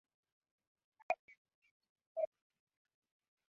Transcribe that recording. Maji yameletwa na gari kubwa sana